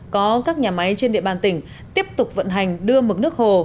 có các nhà máy trên địa bàn tỉnh tiếp tục vận hành đưa mực nước hồ